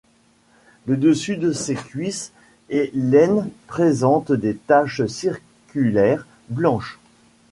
Le dessus de ses cuisses et l'aine présentent des taches circulaires blanches.